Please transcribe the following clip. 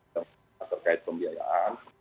yang terkait pembiayaan